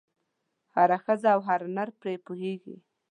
هره ښځه او هر نر پرې پوهېږي.